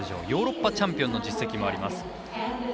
ヨーロッパチャンピオンの実績もあります。